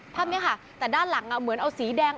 ภาพนี้ค่ะแต่ด้านหลังเหมือนเอาสีแดง